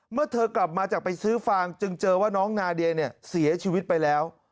เมื่อเธอกลับมาจากไปซื้อฟางจึงเจอว่าน้องนาเดียเนี่ยเสียชีวิตไปแล้ว